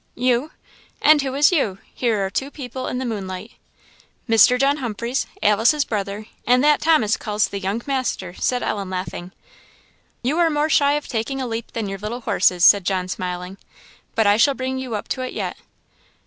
"You." "And who is you? Here are two people in the moonlight." "Mr. John Humphreys, Alice's brother, and that Thomas calls 'the young master,' " said Ellen, laughing. "You are more shy of taking a leap than your little horse is," said John, smiling; "but I shall bring you up to it yet.